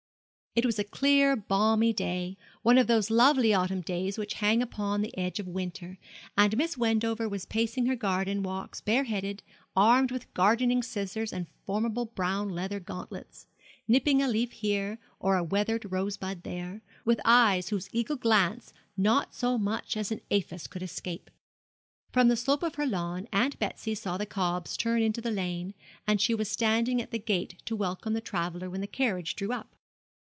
It was a clear, balmy day, one of those lovely autumn days which hang upon the edge of winter, and Miss Wendover was pacing her garden walks bare headed, armed with gardening scissors and formidable brown leather gauntlets, nipping a leaf here, or a withered rosebud there, with eyes whose eagle glance not so much as an aphis could escape. From the slope of her lawn Aunt Betsy saw the cobs turn into the lane, and she was standing at the gate to welcome the traveller when the carriage drew up.